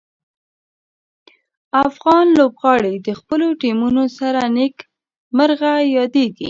افغان لوبغاړي د خپلو ټیمونو سره نیک مرغه یادیږي.